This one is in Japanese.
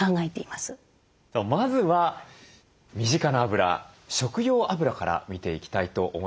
まずは身近なあぶら食用あぶらから見ていきたいと思います。